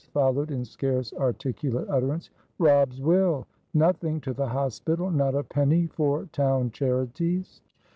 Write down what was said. followed in scarce articulate utterance. "Robb's will! Nothing to the hospitalnot a penny for town charities."